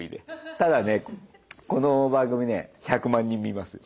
ただねこの番組ね１００万人見ますよ。